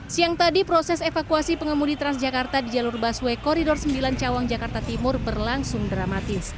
siang tadi proses evakuasi pengemudi transjakarta di jalur busway koridor sembilan cawang jakarta timur berlangsung dramatis